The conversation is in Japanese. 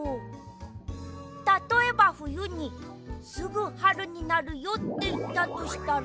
たとえばふゆに「すぐはるになるよ」っていったとしたら。